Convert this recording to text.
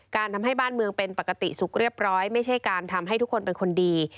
ทำให้บ้านเมืองเป็นปกติสุขเรียบร้อยไม่ใช่การทำให้ทุกคนเป็นคนดี